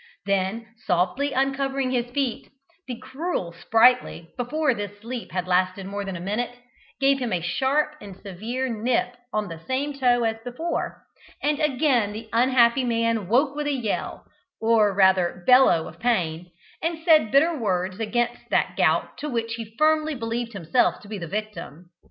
Then, softly uncovering his feet, the cruel Sprightly, before this sleep had lasted more than a minute, gave him a sharp and severe nip on the same toe as before, and again the unhappy man woke with a yell, or rather bellow, of pain, and said bitter words against that gout to which he firmly believed himself to be the victim.